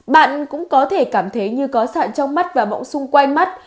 bạn cũng có thể cảm thấy như có sạn trong mắt và mộng sung quay mắt